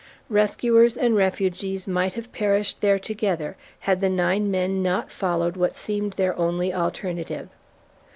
Rescuers and refugees might have perished there together had the nine men not followed what seemed their only alternative.